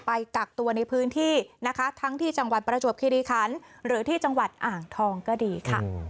ไปกักตัวในพื้นที่นะคะทั้งที่จังหวัดประจวบคิริคันหรือที่จังหวัดอ่างทองก็ดีค่ะ